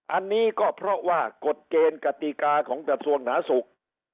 อันนี้ก็เพราะว่ากฎเกณฑ์กติกาของกระทรวงหนาสุข